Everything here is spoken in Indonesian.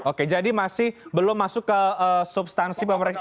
oke jadi masih belum masuk ke substansi pemerintah